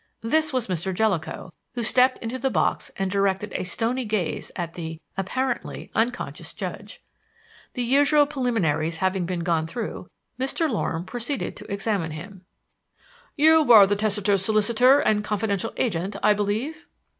This was Mr. Jellicoe, who stepped into the box and directed a stony gaze at the (apparently) unconscious judge. The usual preliminaries having been gone through, Mr. Loram proceeded to examine him. "You were the testator's solicitor and confidential agent, I believe?"